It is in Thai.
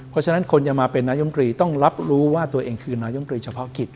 เพราะฉะนั้นคนจะมาเป็นนายมกรีต้องรับรู้ว่าตัวเองคือนายมตรีเฉพาะกิจ